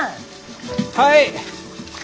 はい。